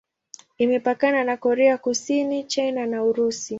Imepakana na Korea Kusini, China na Urusi.